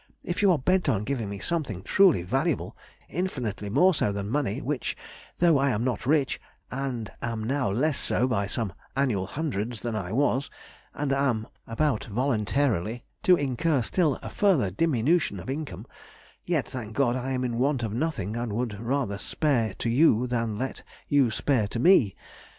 If you are bent on giving me something truly valuable—infinitely more so than money, which (though I am not rich, and am now less so by some annual hundreds than I was, and am about voluntarily to incur a still further diminution of income) yet, thank God, I am in want of nothing and would rather spare to you than let you spare to me.